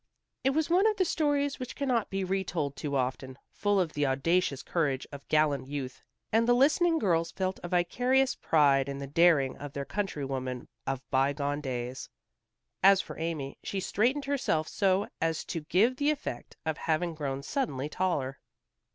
It was one of the stories which cannot be re told too often, full of the audacious courage of gallant youth, and the listening girls felt a vicarious pride in the daring of their countrywoman of bygone days. As for Amy, she straightened herself so as to give the effect of having grown suddenly taller.